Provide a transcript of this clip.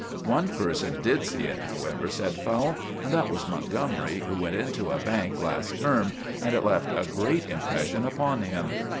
"One person did see it, however," said Fowle, "and that was Montgomery, who went into a bank last term, and it left a great impression upon him."